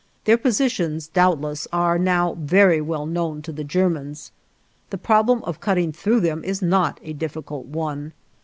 Their positions, doubtless, are now very well known to the Germans. The problem of cutting through them is not a difficult one.